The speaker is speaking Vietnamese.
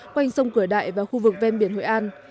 quanh sông cửa đại và khu vực ven biển hội an